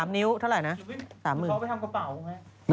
๑๓นิ้วเท่าไหร่นะ